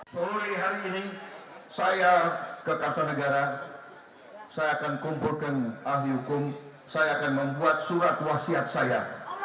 sore hari ini saya ke tata negara saya akan kumpulkan ahli hukum saya akan membuat surat wasiat saya